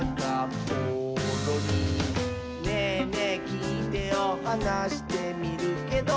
「『ねぇねぇきいてよ』はなしてみるけど」